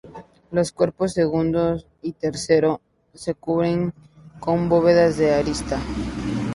Los cuerpos segundo y tercero se cubren con bóvedas de arista.